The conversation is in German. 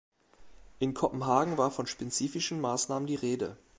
In Kopenhagen war von spezifischen Maßnahmen die Rede.